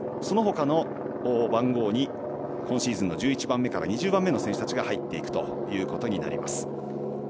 そのほかの番号に今シーズンの１１番目から２０番目の選手たちが入っていくということになります。